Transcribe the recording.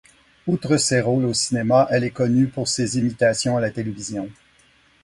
Outre ses rôles au cinéma, elle est connue pour ses imitations à la télévision.